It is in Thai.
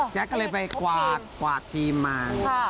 แจ๊กก็เลยไปกวาดทีมมา